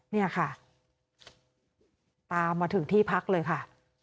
เนี่ยค่ะตามมาถึงที่พักเลยค่ะ